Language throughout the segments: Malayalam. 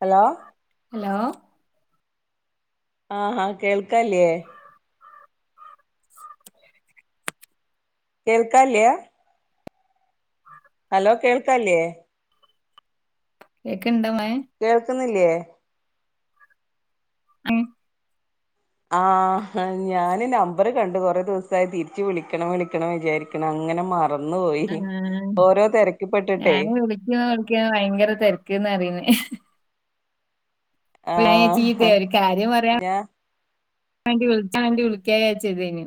ഹലോ ഹലോ ആഹ് ഹ കേൾക്കല്ലേ കേൾക്കല്യാ ഹലോ കേൾക്കല്ലേ കേക്കണിണ്ട് [unintelligible] കേൾക്കുന്നില്ലേ ഉം ആ ഞാന് നമ്പർ കണ്ട് കൊറെ ദിവസായി തിരിച്ച് വിളിക്കണം വിളിക്കണം വിചാരിക്കണം അങ്ങനെ മ ആ തിരക്കിപ്പെട്ടിട്ടെ ഞാൻ വിളിക്കോ വിളിക്ക ഭയങ്കര തിരക്ക്ന്ന് അറിയ ഇപ്പളെ ആഹ് ചീത്തയാ ഒരു കാര്യം പറയാ ഞാ വണ്ടി വിളിച്ച വണ്ടി വിളിക്ക ചാരിച്ചതേനു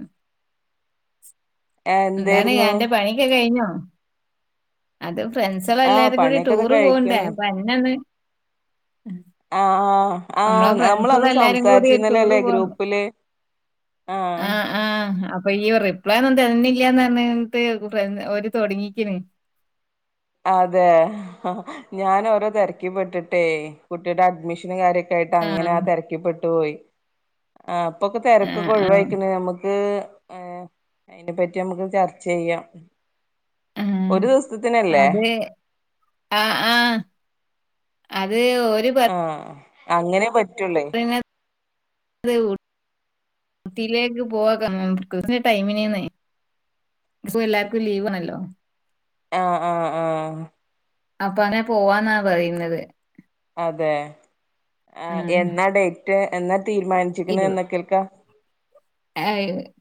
എന്താണ് എന്തായിരുന്നു അന്റെ പണിക്കൊ കഴിഞ്ഞോ അത് ഫ്രണ്ട്സ്ള് ആഹ് എല്ലാരും കൂടി പണിയൊക്കെതാ ടൂറ് പോക്ണ്ടേ കഴിക്കണ് അപ്പൊ അതിനൊന്ന് ആഹ് ആഹ് ആ നമ്മളെ നമ്മള് അന്ന് ഫ്രണ്ട്സുകളെല്ലാരും കൂടി ഒരു സംസാരിച്ചിരുന്നലേ ടൂറ് അല്ലേ പോകണം ഗ്രൂപ്പില് ആഹ് ആ ആ അപ്പൊ ഈ റിപ്ലൈ ഒന്നും തര്ണില്ലാന്ന് പറഞ്ഞിട്ട് [unintelligible] ഓര് തുടങ്ങീക്ക്ന് അതെ ഞാന് ഓരോ തിരക്കിപ്പെട്ടിട്ടേ കുട്ടിയുടെ അഡ്മിഷനും കാര്യൊ [unintelligible] ആയിട്ട് അങ്ങന ആ തെരക്കി പ്പെട്ടു പോയി ആഹ് ഇപ്പൊക്കെ ആ തെരക്കൊക്കെ ആ ഒഴിവായിക്ക്ണ് അമ്മക്ക് ഏഹ് അയ്ന്റെ പറ്റി നമ്മക്ക് ചർച്ച യ്യാ ഒരു സ്ത്തിനല്ലേ ഏഹ് ആഹ് ആഹ് ത് ഒര് പത്ത് ആ അങ്ങനെ പറ്റുള്ളേ [unintelligible] ഊത്തിയിലേക്ക് പോവാ [unintelligible] ടൈമിന് ന്ന് [unintelligible] എല്ലാർക്കും ലീവാണല്ലോ ആഹ് ആഹ് ആഹ് അപ്പ അതാ പോവാന്നാ പറയ്ന്നത് അതെ ആ ആഹ് എന്നാ ഡേറ്റ് എന്നാ തീര്മാനിച്ചിക്ണ് എന്നക്കക്കാ?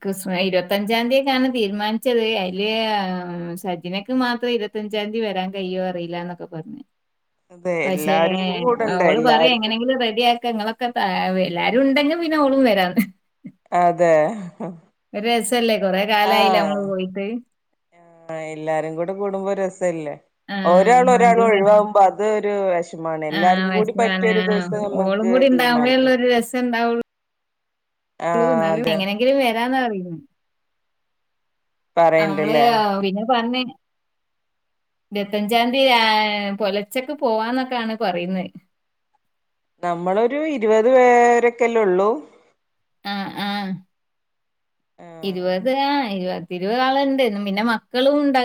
ക്രിസ് ഇരുപത്തഞ്ചാം തിക്കക്കാണ് തീര്മാൻച്ചത് അയ്ല് സജിന ക്ക് മാത്രം ഇരുപത്തഞ്ചാംതി വരാൻ കയ്യോ അറീലന്നൊക്കെ പർഞ്ഞ് അതെ പക്ഷേ എല്ലാരും കൂടണ്ടേ അവള് പറയാ എല്ലാർക്കും എങ്ങനെങ്കിലും റെഡി ആക്ക ഇങ്ങളെ ക്കെ താ എല്ലാരും ഉണ്ടെങ്കി പിന്നെ ഓളും വരാന്ന് അതെ ഒരു രസല്ലേ കൊറെ കാലായിലേ നമ്മള് പോയിട്ട് ആഹ് എല്ലാരും കൂടെ കൂടുമ്പോ രസല്ലേ ആ ഒരാള് ഒരാള് ഒഴിവാകുമ്പോ അത് ഒര് ആഹ് വെശ്മാണ് ദിവസം ഓളും നമ്മക്ക് കൂടി ഉണ്ടാവുമ്പേ ഒള്ളു തീരുമാനിക്കാം ഒരു രസം ഇണ്ടാവോ ആ ള്ളൂ എന്നാലും അതെ എങ്ങനെങ്കിലും വരാന്നറിയ്ണെ അമ്മള് പറയണ്ടല്ലേ പിന്നെ പർഞ് ഇരത്തഞ്ചാംതി പൊലച്ചക്ക് പോവാന്നൊക്കാണ് പറയുന്നെ നമ്മളൊരു ഇരുപത് പേരൊക്കെല്ലേ ഒള്ളൂ ആഹ് ആഹ് ആഹ് ഇരുപത് ആഹ് ഇരുപ പത്തിരുവാള് ണ്ട് പിന്നെ മക്കളും ഉണ്ടാ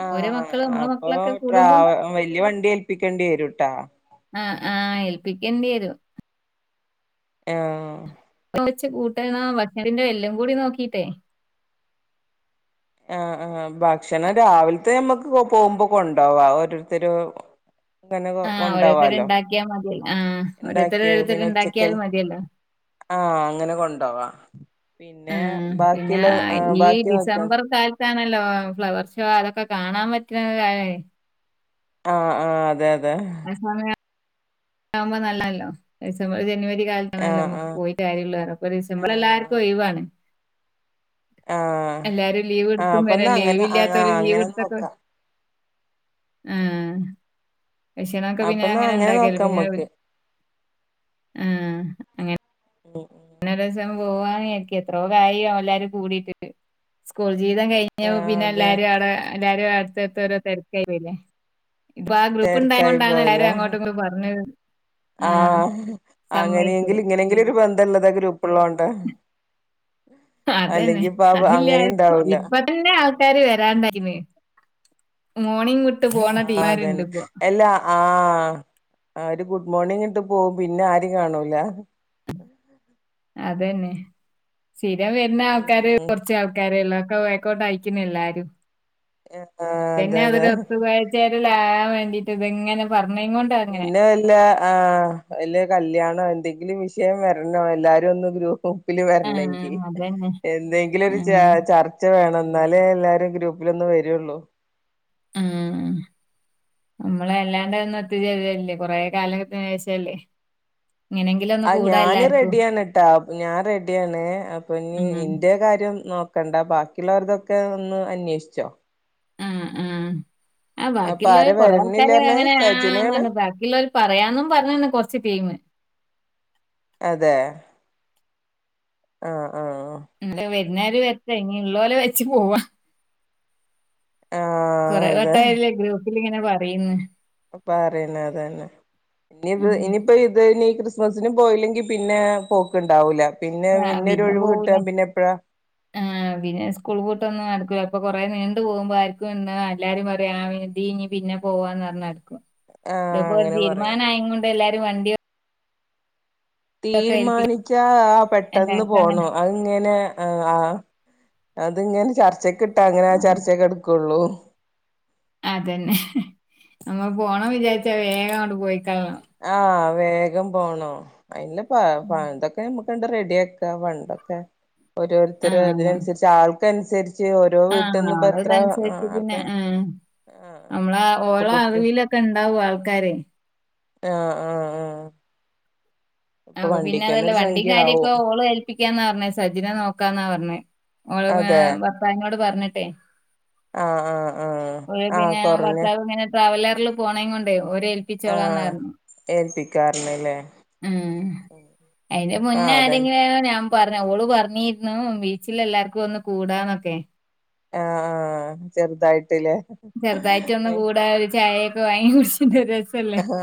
ആഹ് അപ്പൊ ട്രാവ വല്യ വണ്ടി ഏൽപ്പിക്കേണ്ടി വരൂട്ടാ ആഹ് ആഹ് ഏൽപ്പിക്കേണ്ടി വരും ആഹ് വെച്ച് കൂട്ടന്നാ ഭക്ഷണത്തിന്റെ എല്ലും കൂടി നോക്കിട്ടെ ആഹ് [inaudible] ആഹ് ഭക്ഷണം രാവിലത്തെ നമ്മക്ക് പോകുമ്പോ കൊണ്ടവാ ഓരോരുത്തരു തന്നെ ആ ഓരോരുത്തര് കൊണ്ടാവാലോ ഉണ്ടാക്കിയാ മതിയല്ലോ ആ ഓരോരുത്തര് ഉണ്ടാക്കിയ ഓരോരുത്തര് പിന്നെ ഉണ്ടാക്കിയാൽ ഉച്ചക്കൽ മതിയല്ലോ ആഹ് അങ്ങനെ കൊണ്ടോവാ ആ പിന്നെ ബാക്കിയുള്ള ഏഹ് ബാക്കി നോക്കിയ ണല്ലോ ഫ്ലവർ ഷോ അതൊക്കെ കാണാൻ പറ്റുന്നത് [unintelligible] ആഹ് ആഹ് അതെ അതെ ആവുമ്പോ നല്ലല്ലോ ഡിസംബർ ജനുവരി കാലാണല്ലോ ആഹ് നമ്മക്ക് ആഹ് പോയിട്ട് കാര്യള്ളെ ഡിസംബർ ആഹ് എല്ലാർക്കും ഒഴിവാണ് ആഹ് എല്ലാരും ലീവ് ആഹ് എടുത്തും വരെ അപ്പൊന്നാ അങ്ങനെ ഒഴിവ് ആഹ് ഇല്ലാത്തവര് ലീവ് അങ്ങനെ എടുത്തൊക്കെ നോക്കാം ആഹ് [unintelligible] പിന്നെ അപ്പൊന്നാ അങ്ങനെ ഉണ്ടാക്കിയ നോക്കാം പിന്നെ വി നമ്മക്ക് ആഹ് അങ്ങനെ ഉം പിന്ന രസം പോവാ ജാരിക്ക എത്രോ ആയി എലാരു കൂടിട്ട് ട്ട് സ്കൂ ജീതം കഴിഞ്ഞ ആഹ് പിന്നെ അതെ എല്ലാരും അടെ എല്ലാരും അടുത്തടുത്ത ഓരോ തിരക്കായില്ലേ ഇപ്പൊ ആഹ് ഗ്രൂപ്പ് ഉണ്ടായ തെരക്കായി കൊണ്ടാണ് എല്ലാരും പോയല്ലോ അങ്ങോട്ടും ഇങ്ങ പറഞ്ഞ ആഹ് സമ്മതിച്ചത് അങ്ങനെയെങ്കില് ഇങ്ങനെങ്കിലും ഒരു ബന്ധംള്ളത് ആഹ് ഗ്രൂപ്പള്ളോണ്ട അതന്നെ അതില്ല അങ്ങനെ ഇണ്ടാവൂല ഇപ്പ തന്നെ ആൾക്കാര് വരാണ്ടായിന് ആഹ് ടീമാരുണ്ട് അതന്നെ ഇപ്പൊ എല്ലാ ആഹ് ആ ഒരു കു മോർണിങ്ങിട്ട് പോവും പിന്നെ ആരും കാണൂല അതന്നെ സ്ഥിരം വരുന്ന ആൾക്കാര് ഉം കുറച്ച ആൾക്കാരള്ള ഓ ഐ കോട്ടെ ഐ ക്കുന്നു എല്ലാരും ആഹ് തന്നെ അതെ ഡോക്ടർ അതെ അത് പോയാൽ [unintelligible] [unintelligible] വേണ്ടീട്ട് ഇതങ്ങെ പറു പിന്നെ വല ആ വല്യ കല്യാണോ എന്തെങ്ക ലും വിഷയം വരണോ എല്ലാരും ഒന്നും ഗ്രൂഹം പ്പിൽ ആഹ് വരാണെങ്കിൽ അതന്നെ. എന്തെങ്കിലും ഒരു ആഹ് ചർച്ച വേണ എന്നാലേ എല്ലാരും ഗ്രൂപ്പിലൊന്ന വരുള്ളൂ മ് നമ്മള അല്ലാണ്ട് ഒന്ന എത്തിചരുതല്ലേ കൊറെ കാലത്തിന് വേഷല്ലേ ആ ഞാന് റെഡിയാണ് ട്ടെ ഞാൻ റെഡിയാണ് അപ്പൊ ഇന്നി ആഹ് ഇന്റെ കാര്യം നോ കണ്ടാ ബാക്കിയുള്ളവർതൊക്കെ ഒന്ന് അന്വേഷിച്ചോ ആ ആ അ അപ്പൊ ആര ബാക്കിയുള്ളര് കൊറെ ആൾക്കാര് വരണില്ലറഞ്ഞെ അങ്ങനെ ആ ആ സജിനയാണ് പറന്ന് ബാക്കിയുള്ളവര് പറയാന്നും പറഞ്ഞന്ന് കൊറച്ച് ടീമ അതെ അ മ് വരുന്നാല് വരട്ടെ ഇനി ഇള്ളൽ വെച്ചു പോവാ ആ കൊറെ വട്ടായില്ലേ ഗ്രൂപ്പിൽങ്ങനെ പറയന്ന് അപ്പ പറയണ അതന്നെ ഇനി ആഹ്. ഇനിപ്പോ ഇത് ഇീ ക്രിസ്മസിന് പോയില്ലെങ്കിൽ പിന്നെ പോക്ക് ഉണ്ടാവൂല [inaudible] ചെലപ്പം കൊറെ നീണ്ടു പോകുമ്പോ ആർക്കും ഇ എല്ലാരും പറയാ ആതി ഇഞ് പിന്നെ പോവാന്ന് പറഞ്ഞർക്കും ആഹ് അധെപോലെ അങ്ങനെ പറയാ തീരുമാനായ കൊണ്ട് എല്ലാരും വണ്ടി തീരുമാനിക്കാ ആ പെട്ടെന്ന് എല്ലാവർക്കും പോണു അങ്ങനെ അ ഇങ്ങനെ അ ആ അത്ങ്ങനെ ചർച്ചക്കെ ഇട്ടാ അങ്ങനെ ആ ചർച്ചക്ക് ട്ടാ അങ്ങനെ ചർച്ചെ കെടുക്കോള്ളു അതന്നെ നമ്മ പോണം വിചാരിച്ച വേഗം അങ്ങോണ്ട് പോയിക്കളോ ആ വേഗം പോണം അയിന് പ്പ ഹെ എതൊക്കെ റെഡിയ ആക്ക പണ്ടൊക്കെ ഓരോരുത്തര ഉം. അതിനനുസരിച്ച് ആൾക്കനുസരിച്ച് ഓരോ ആ ആ വീട്ടിൽന്ന് ഇപ്പ എത്ര ആ ക്കെ നമ്മള ഓരോ അറിവിലൊക്കെ ഉണ്ടാവും ആൾക്കാർ ആ ആ ആ അപ പിന്നെ അതല്ല വണ്ടി കാര്യൊപ്പ ആവും ഓള് ഏല് പിക്ക ക്ക പറഞ്ഞേ സജിനെ നോക്കാന്നാ പറഞ്ഞേഓള് അതെ ഭർത്താവിനോട് പറഞ്ഞിട്ടെ ആഹ് ആഹ് ആഹ് ഓൾ ആഹ് പിന്നെ കൊറഞ്ഞ ഭർത്താവ് ഇങ്ങനെ ട്രാവലറിൽ പോണെ കൊണ്ടോ ഓരെ ഏൽപ്പിച്ചോളാംന്ന കാരണല്ലേ ഉ അതിന്റെ ആഹ് മുന്നേ അതന്നെ ആരെങ്കിലും [unintelligible] നാം പറഞ്ഞ ഓള് പറഞ്ഞിരുന്നു ബീച്ചിൽ എല്ലാർക്കും ഒന്ന് കൂടാന്നൊക്കെ ആ ആചെറുതായിട്ട് ചെറുതായിട്ട ഒന്നും കൂടാ ഒരു ചായയൊക്കെ വാങ്ങി കുടിച്ചിറ്റ് ഒ ആ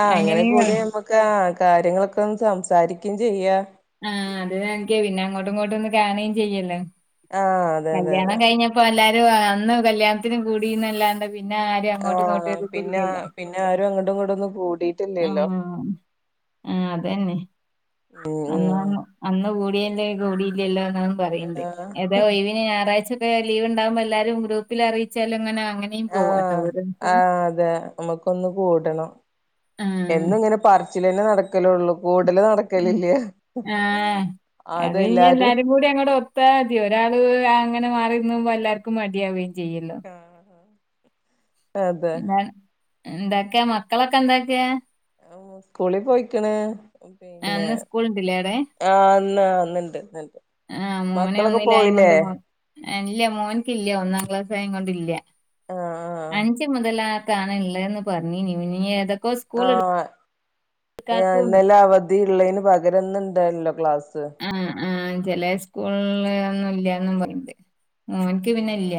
ആ അങ്ങനെ കൂടി പറഞ്ഞു. നമ്മുക്ക് ആ കാര്യങ്ങളൊക്കെ ഒന്ന് സംസാരിക്ക ക്കിം ചെയ്യ ആഅത് എനക്ക്പിന്നെ അങ്ങോട്ടും ഇങ്ങോട്ടും ഒന്ന് കാണുകയും ചെയ്യല്ലോ ആഹ് അതെ അതെ കല്യാണം അതെ കഴിഞ്ഞപ്പോ എല്ലാരും അന്ന് കല്യാണത്തിനും കൂടീന്നല്ലാണ്ട് പിന്നെ ആരിം അങ്ങോട്ടും ഇങ്ങോട്ടും ആഹ് ഒരു ത് പിന്നെ ല്ലല്ലോ പിന്നെ ആരും അങ്ങട്ടും ഇങ്ങട്ടും ഒന്നും ആ കൂടിയിട്ടില്ലല്ലോ ആ അതന്നെ ഉം അ ഉം അന്ന് കൂടി കൂടീല്ലല്ലോ ന്ന് പറയണ്ട് ആഹ് ഏതാ ഓയ്‌വ് ഒരാഴ്ച ക്കെ ലീവ്ണ്ടകുമ്പോ എല്ലാരും ഗ്രൂപ്പിൽ അറിയിച്ചാലുംങ്ങനെ ആ ആ അതെ നമ്മക്കൊന്ന് കൂടണം ആഹ് എന്നും ങ്ങനെ പറിച്ചിൽ തന്നെ നടക്ക ക്കലള്ളൂ കൂടുല് നടക്കലില്ല ആഹ് അത് അതെല്ലാരും എല്ലാരും കൂടി അങ്ങോടെ ഒത്താ മതി ഒരാള് അ അങ്ങനെ മാറിന്ന്പോ എല്ലാർക്കും മടിയാവുകയും ചെയ്യല്ലോ അതെ എന്താക്കെയാ മക്കളൊക്കെ എന്താക്കാ ആ സ്കൂളിൽ പോയിക്കണ് പിന്നെ അന്ന് സ്കൂൾ ഉണ്ടില്ലേ അവിടെ ആനിണ്ട് നിണ്ട് ആ മോനൊന്നിലായൊണ്ട് മൂ ഇല്ല മോനക്ക്ല്ല ഒന്നാം ക്ലാസ് ആയ കൊണ്ടല്ല ആ അഞ്ച് മുതല കാണില്ലേ എന്ന് പറഞ്ഞഞ് ഇനിനി ഏതൊക്കെ ആ സ്കൂൾ എടുക്കാത്തതും ഇന്നല അവധി ളേന്നു പക രം ഇന്ന് ണ്ടല്ലോ ക്ലാസ് ആ ചില സ്കൂള ഒന്നും ഇല്ലന്നും പറയണ്ട് ഓനിക്ക് പിന്നെ ഇല്ല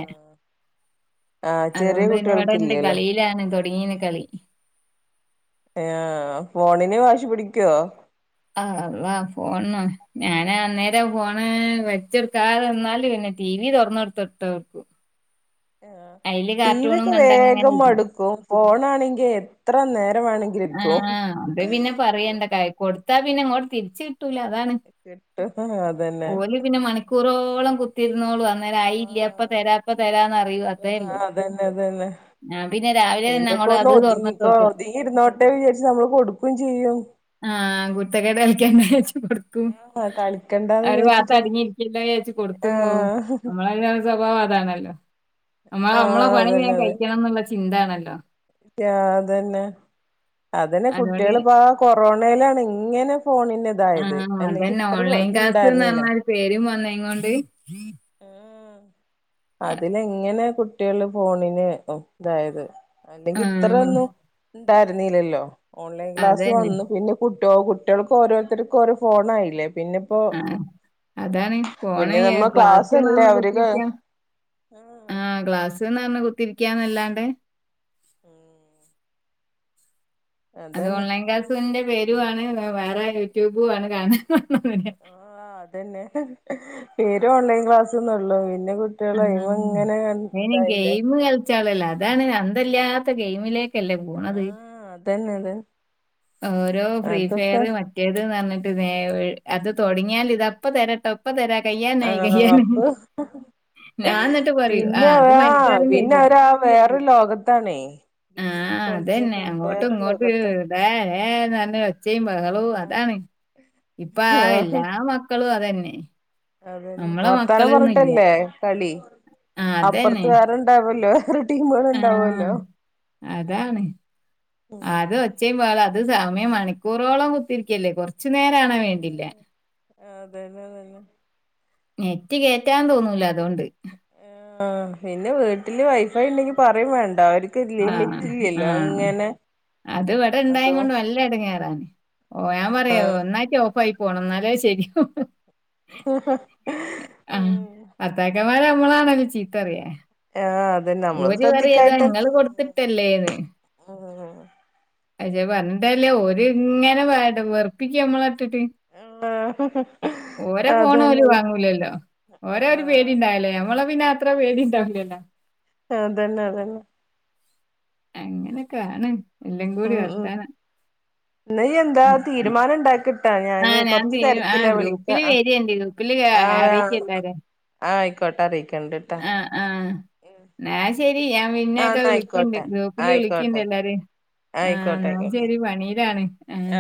ആ ചെറിയ അതുകൊണ്ട് പിന്നെ ഇവിടെണ്ട് കുട്ടികൾക്കില്ലല്ലോ കളിയിലാണ് തുടങ്ങീന്ന് കളി ഹ ഫോണന് വാശി പിടിക്കുവോ ആ അള്ളാ ഫോണ് ഞാന അന്നേരം ഫോണ് വെച്ചെടുക്കാതെ നിന്നാൽ പിന്നെ ടി വി തുറന്നെടുത്തിട്ടവർക്കും ആ ടി വി ഒക്കെ കണ്ടങ്ങനെ വേഗം ഇരുന്നു മടുക്കും ഫോൺ ആണെങ്കിൽ എത്ര നേര ആ അത് പിന്നെ പറയണ്ട ക കൊടുത്താ പിന്നെ ഇങ്ങോട്ട് തിരിച്ച കിട്ടൂല അതാണ് കിട്ടും അതന്നെ ഓല് പിന്നെ മണിക്കൂറോളം തിരുന്നോളു അന്നേര ആയി ഇല്ലയപ്പ ആഹ് തരാപ്പ തരാന്ന് അറിയൂ അതേല്ലോ അതന്നെ അതന്നെ ആ പിന്നെ രാവിലെ തന്നെ പിന്നെപ്പോ അങ്ങോട്ട ഒന്ന് അത് ഒതുങ്ങിക്കോ തുറന്നട്ടോടുക്കും ഒതുങ്ങി ഇരുന്നോട്ടെ വിചാരിച്ച് നമ്മള് കൊടുക്കും ചെയ്യും ആ കുരുത്തക്കേട് കളിക്കണ്ട വെച്ച് കൊടുക്കും ആഹ് കളിക്കണ്ടാന്ന് അവര് ഭാത്ത വിചാരിച്ചിട്ട് നമ്മള് അടങ്ങിയിരിക്കല്ലോ ചച്ച കൊടുത്തു പോവും ആഹ് നമ്മളതിന സ്വഭാവം നമ്മൾക്ക് നമ്മളെ ആഹ് പണി വേഗം അതന്നെ അതെ കയ്ക്കണമ് ന്ന് ള്ള ചിന്ത ആണ ല്ലോ അതന്നെ അതന്നെ അതുകൊണ്ട് കുട്ടികൾപ്പ ആ കൊറോണയിലാണ് ഇങ്ങനെ ഫോണിന്റെ ഇതായത് അല്ലെങ്കി ഇത്ര ക്ലാസ്സ്‌ ന്ന് ഇണ്ടായിരുന്നില്ല പറഞ്ഞ പേര് ണ്ട് ആ അതിലെങ്ങനെ കുട്ടികള് ഫോണിന് ഇതായത് അല്ലെങ്കി ഇത്ര ആഹ് ഒന്നും ഉണ്ടായിരുന്നില്ലല്ലോ ഓൺലൈൻ ക്ലാസ് അതന്നെ. വന്നു പിന്നെ ഇട്ടോ കുട്ടികൾക്ക് ഓരോരുത്തർക്കും ഒരു ഫോൺ ആയ് ല്ലേ പിന്നെപ്പോ ആഹ് അതാണ് ഫോണ് പിന്നെ നമ്മൾ ക്ലാസ്സ്ന്ന് ക്ലാസ്സ്ല്ലേ പറഞ്ഞ് അവർ കുത്തിരിക്കാ ആ ബസന്ന് പറഞ് കുത്തിരിക്കന്നല്ലാണ്ട് അത് അതന്നെ ഓൺലൈൻ ക്ലാസ്സിന്റെ പേരു ആണ് വേറെ യൂട്യൂബു ആണ് കാണുന്നത് ആ അതന്നെ പേര് ഓൺലൈൻ ക്ലാസ്സ ഒന്നള്ളോ പിന്നെ കുട്ടികൾയുമ്പോ ആഹ്. ഇങ്ങനെ ഇതായില്ലേ അതാണ്ഞ അന്തല്ലാത്ത ഗെയിമിലേക്ക് ല്ലേ പോണത് ആഹ് അതന്നെ അതന്നെ ഓരോ ഫ്രീ ഫയർ അതൊക്കെ മറ്റേതന് പറഞ്ഞ അത് തുടങ്ങിയൽ ഇത്പ്പ തരട്ടോ ഒപ്പ തരാ ആ കയ്യാനായി കയ്യാനായി അപ്പൊ ഞാൻ എന്നിട്ട് പറയും ആ പിന്നെ അത് അവരാ ആ മരിച്ചാലും പിന്നെ കഴിയില്ല അവരാ വേറൊരു ലോകത്താണേ ഗെയിം ആ കളിച്ചാ അതെന്നെ പിന്നെ അങ്ങോട്ടും വേറെ ഇങ്ങോട്ട് ലോകത്താ ബെ ഏ ന്ന് പറഞ് ഒച്ചയും ബഹളവും അതാണ് ഇപ്പ എല്ലാ മക്കളും അതെന്നെ അതന്നെ വർത്താനം പറഞ്ഞിട്ടല്ലേ കളി ആ അതന്നെ അപ്പുറത്ത് വേറെണ്ടാവല്ലോ ആ അതാണ് ആകെ ഒച്ചേയും ബഹളോണ് അത് സമയം മണിക്കൂറോളം കുത്തിരിക്കല്ലേ കൊറ ഉം അ തന്നെ തന്നെ നെറ്റ് കേറ്റാൻ തോന്നൂല അതൊണ്ട് ആ പിന്നെ വീട്ടില് വൈഫൈ ഉണ്ടെങ്കി പറയും വേണ്ട അവര് ക്ക് ആഹ്. ലിമിറ്റ്ല്ലല്ലോ ആഹ്. അങ്ങനെ അത് ഇവിടെ അതോ ഇണ്ടായേം കൊണ്ട് നല്ല എടങ്ങേറാണ്. ഓ ഞാൻ പറയാ ഒന്നായിട്ട് ഓഫ് ആയി പോണം എന്നാലേ ശരി ഉം അവരെ നമ്മളാണല്ലോ ചീത്തപറിയ ആഹ് അതന്നെ നമ്മള് ഓര് പറിയതാ ശ്രദ്ധിക്കായിട്ടന്നെ നിങ്ങള് കൊടുത്തിട്ടല്ലേന്ന് ആഹ് അത് പറഞ്ഞിട്ടകാര്യല്ല ഓര് ഇങ്ങനെ വ വെറുപ്പിക്ക നമ്മള ഇട്ടിട്ട് ആഹ് ഓരോ ഫോൺ അതന്നെ ഓല് അത് വാങ്ങൂലല്ലോ ഓരെ ഒരു ആഹ് പേടിണ്ടാവല്ലോ ഞമ്മളെ പിന്ന അത്ര പേടിയുണ്ടാവില്ലല്ലോ ആ അതന്നെ അതന്നെ അങ്ങനെക്കാണ് ഉം ഉം എന്നാ ഇനി എന്താ ഉം. തീരുമാനം ഉണ്ടാക്ക് ട്ടാ ഞാന് ആഹ് ഞാൻ കൊറച്ച് തീരു തിരക്കില ആഹ് വിളിക്ക ഗ്രൂപ്പില് വരേണ്ടി. ഗ്രൂപ്പില് ആഹ് ആഹ അറിയിക്ക് എല്ലാരേം. ആയിക്കോട്ടെ അറിയിക്കണ്ടിട്ടാ ന്നാ ശെരി ഞാൻ പിന്നെ ഒക്കെ വിളിക്കിണ്ട് ആയിക്കോട്ടെ ഗ്രൂപ്പില് ആയിക്കോട്ടെ വിളിക്കിണ്ട് ആയിക്കോട്ടെ എല്ലാരെയും ആഹ ആയിക്കോട്ടെ എന്നാൽ ശരി ആയിക്കോട്ടെ പണിയിലാണ് ആഹ്